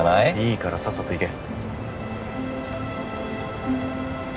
いいからさっさと行け。